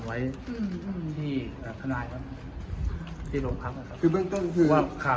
คือที่เราโทสไป